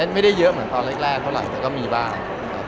ไม่ได้เยอะเหมือนตอนแรกเท่าไหร่แต่ก็มีบ้าง